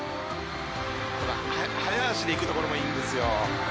早足で行くところもいいんですよ。